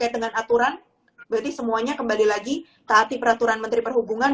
dengan aturan berarti semuanya kembali lagi taati peraturan menteri perhubungan